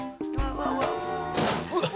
うーわっ！